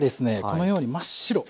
このように真っ白。